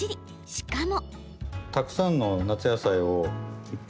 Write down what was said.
しかも。